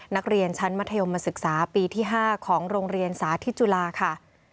นักเรียนชั้นมัธยมศึกษาปีที่๕ของโรงเรียนสาธิตจุฬาค่ะ